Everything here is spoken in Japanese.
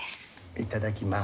いただきます。